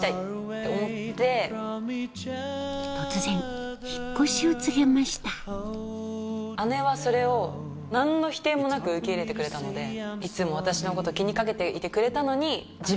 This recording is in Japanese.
突然引っ越しを告げました姉はそれを何の否定もなく受け入れてくれたのでいつも私のこと気に掛けていてくれたのに。